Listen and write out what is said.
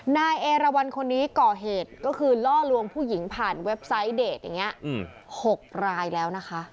นายเอราวันคนนี้ก่อเหตุก็คือล่อลวงผู้หญิงผ่านเว็บไซต์เดทอย่างนี้๖รายแล้วนะคะ